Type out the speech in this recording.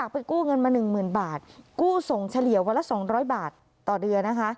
ไปกู้เงินมาหนึ่งหมื่นบาทกู้ส่งเฉลี่ยวันละสองร้อยบาทต่อเดือนนะคะ